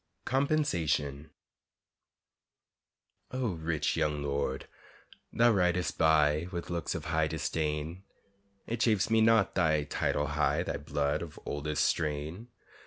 COMPENSATION O, rich young lord, thou ridest by With looks of high disdain; It chafes me not thy title high, Thy blood of oldest strain.